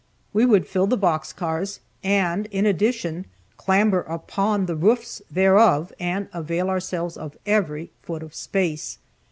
We would fill the box cars, and in addition clamber upon the roofs thereof and avail ourselves of every foot of space.